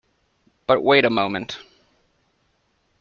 But wait a moment!